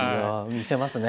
魅せますね。